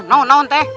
nah nah teh